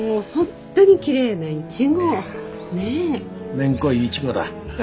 めんこいイチゴだハハ。